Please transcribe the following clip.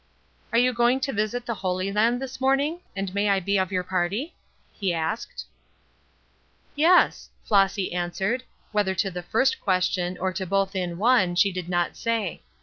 "Are you going to visit the Holy Land this morning, and may I be of your party?" he asked. "Yes," Flossy answered, whether to the first question, or to both in one, she did not say.